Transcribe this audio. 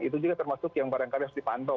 itu juga termasuk yang pada yang kali harus dipantau